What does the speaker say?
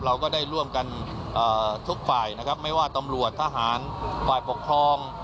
เราก็ได้ร่วมกันทุกฝ่ายนะครับไม่ว่าตำรวจทหารฝ่ายปกครอง